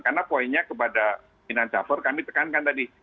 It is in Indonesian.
karena poinnya kepada minan caffer kami tekankan tadi